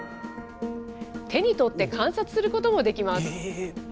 手に取って観察することもできます。